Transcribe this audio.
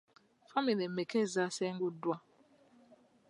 Famire mmeka ezaasenguddwa?